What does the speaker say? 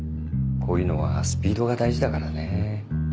こういうのはスピードが大事だからねぇ。